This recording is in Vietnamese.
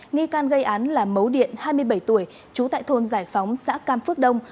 nghi can gây án là mấu điện hai mươi bảy tuổi trú tại thôn giải phóng xã cam phước đông